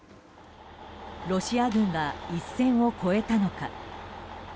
ロシア軍は一線を越えたのか。